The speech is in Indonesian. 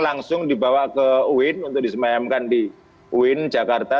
langsung dibawa ke uin untuk disemayamkan di uin jakarta